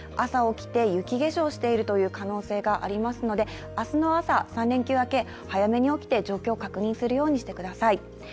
朝起きて雪化粧しているという可能性がありますので明日の朝、３連休明け、早めに起きて状況を確認するようにしてください。